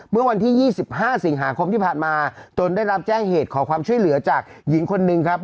เมื่อวันที่๒๕สิงหาคมที่ผ่านมาจนได้รับแจ้งเหตุขอความช่วยเหลือจากหญิงคนหนึ่งครับ